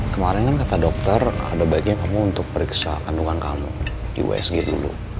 kemarin kan kata dokter ada baiknya kamu untuk periksa kandungan kamu di usg dulu